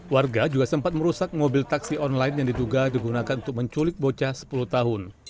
warga juga sempat merusak mobil taksi online yang diduga digunakan untuk menculik bocah sepuluh tahun